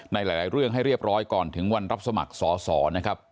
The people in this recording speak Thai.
ในหลายเรื่องให้เรียบร้อยก่อนถึงวันรับสมัครสอสอนะครับ